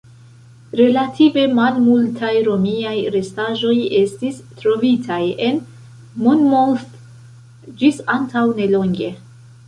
Relative malmultaj Romiaj restaĵoj estis trovitaj en Monmouth ĝis antaŭ nelonge.